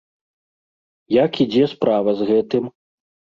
Як ідзе справа з гэтым?